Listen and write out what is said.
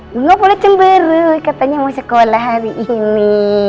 gua pula cemberu katanya mau sekolah hari ini